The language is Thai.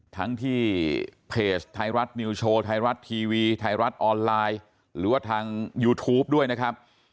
ทั้งที่เพจไทยรัฐนิวโชว์ไทยรัฐทีวีไทยรัฐออนไลน์หรือว่าทางยูทูปด้วยนะครับ